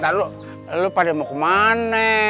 nanti lu lu pada mau ke mana